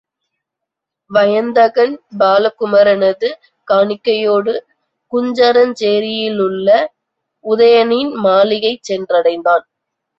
வயந்தகன், பாலகுமரனது காணிக்கையோடு குஞ்சரச்சேரியிலுள்ள உதயணனின் மாளிகை சென்றடைந்தான்.